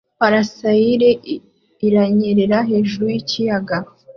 Parasailer iranyerera hejuru yikiyaga